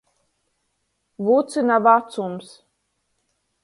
Vucyna vacums.